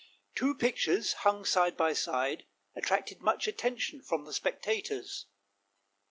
Two pictures hung side by side attracted much attention from the spectators.